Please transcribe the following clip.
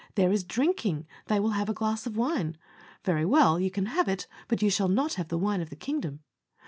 There is drinking; they will have a glass of wine. Very well, you can have it; but you shall not have the wine of the kingdom.